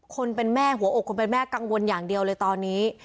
คนเป็นแม่หัวอกคนเป็นแม่กังวลอย่างเดียวเลยตอนนี้